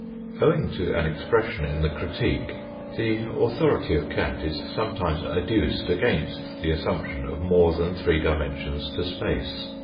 Owing to an expression in the critique the authority of Kant is some times adduced against the assumption of more than three dimensions to space.